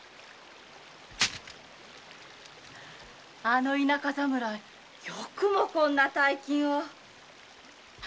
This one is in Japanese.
あの田舎侍よくもこんな大金を。